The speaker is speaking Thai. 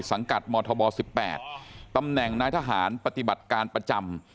สังกัดมธบ๑๘ตำแหน่งนายทหารปฏิบัติการประจำ